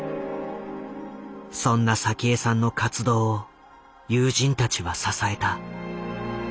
そんな早紀江さんの活動を友人たちは支えた。